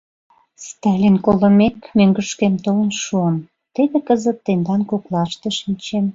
Сталин колымек, мӧҥгышкем толын шуым, теве кызыт тендан коклаште шинчем.